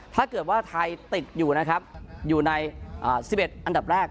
ถ้าเกิดว่าไทยบนอันดับ๑ของโลกได้